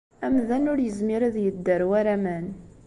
Amdan ur yezmir ad yedder war aman.